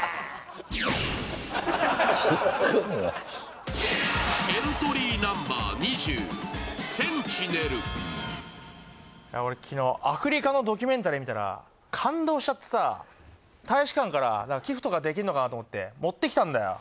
ツッコミが俺昨日アフリカのドキュメンタリー見たら感動しちゃってさ大使館から寄付とかできんのかなと思って持ってきたんだよ